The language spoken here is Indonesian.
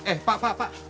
eh pak pak pak